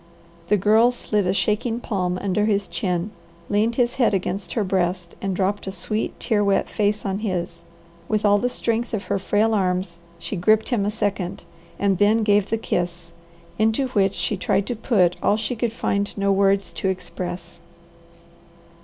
The Girl slid a shaking palm under his chin, leaned his head against her breast, and dropped a sweet, tear wet face on his. With all the strength of her frail arms she gripped him a second, and then gave the kiss, into which she tried to put all she could find no words to express.